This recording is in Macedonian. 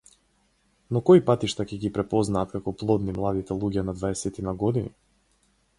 Но кои патишта ќе ги препознаат како плодни младите луѓе на дваесетина години?